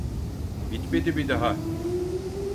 Bitmedi mi daha?